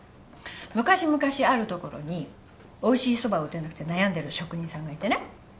昔々ある所においしいそばを打てなくて悩んでる職人さんがいてね。